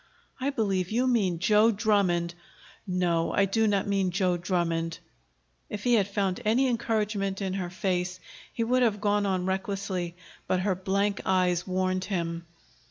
"I believe you mean Joe Drummond." "No; I do not mean Joe Drummond." If he had found any encouragement in her face, he would have gone on recklessly; but her blank eyes warned him.